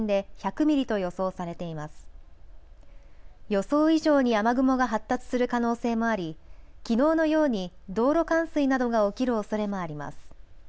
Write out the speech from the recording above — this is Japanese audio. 予想以上に雨雲が発達する可能性もあり、きのうのように道路冠水などが起きるおそれもあります。